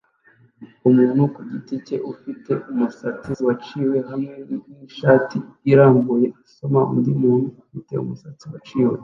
Umuntu ku giti cye ufite imisatsi yaciwe hamwe nishati irambuye asoma undi muntu ufite umusatsi waciwe